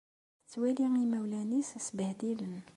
Tettwali imawlan-nnes sbehdilen.